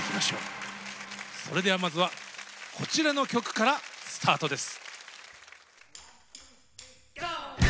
それではまずはこちらの曲からスタートです。